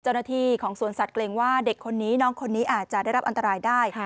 เจ้าหน้าที่ของสวนสัตว์เกรงว่าเด็กคนนี้น้องคนนี้อาจจะได้รับอันตรายได้